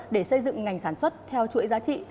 để xây dựng ngành sản xuất theo chuỗi giá trị